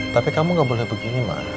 tapi kamu gak boleh begini mbak